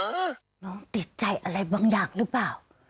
น้องติดใจอะไรบางอย่างหรือเปล่า